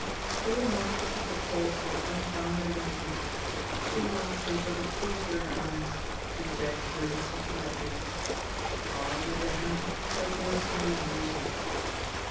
The remark seemed to cause her unbounded amusement. She laughed until the tears were in her eyes, and Jack grinned sympathetically. Parr, on the other hand, showed no sign of amusement.